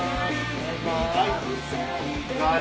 お願いします。